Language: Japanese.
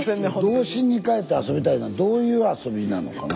「童心にかえって遊びたい」のはどういう遊びなのかな？